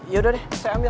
yaudah deh saya ambil